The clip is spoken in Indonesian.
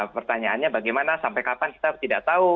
pertanyaannya bagaimana sampai kapan kita tidak tahu